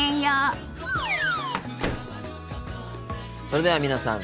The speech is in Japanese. それでは皆さん